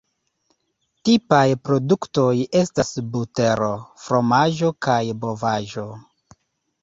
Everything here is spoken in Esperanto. Tipaj produktoj estas butero, fromaĝo kaj bovaĵo.